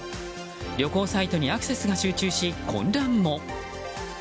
旅行サイトにアクセスが集中し混乱も。